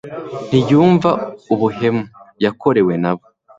ntiyumva ubuhemu; yakorewe nabo